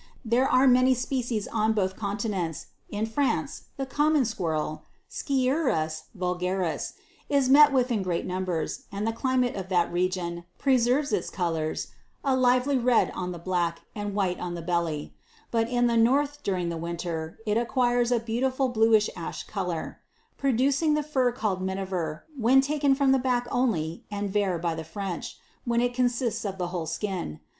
There are many species on both continents ; in France, the Common Squirrel, Sciurus Vulgaris, is met with in great numbers, and in the climate of that region, preserves its colours (a lively red on the back, and white on the belly ;) but in the north, during the winter, it acquires a beautiful bluish ash colour, (producing the fur called minever, when taken from the back only, and vair by the French when it consists of the whole skin.)